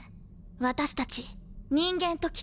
私たち人間と機械。